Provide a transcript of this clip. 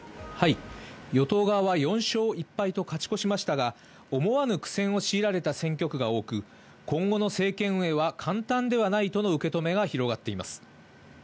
与党側は４勝１敗と勝ち越しましたが、思わぬ苦戦を強いられた選挙区が多く、今後の政権運営は簡単ではないとの受け止めが広がっています。